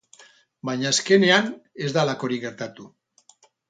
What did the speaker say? Baina azkenean ez da halakorik gertatu.